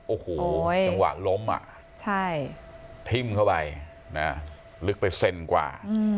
โอ้โหดังหวะล้มอ่ะใช่ทิ่มเข้าไปลึกไปเซ็นกว่า